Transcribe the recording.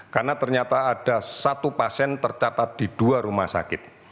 karena ternyata ada satu pasien tercatat di dua rumah sakit